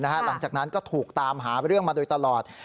หลังจากนั้นก็ถูกตามหาเรื่องมาโดยตลอด